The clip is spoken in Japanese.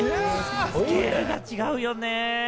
スケールが違うよね。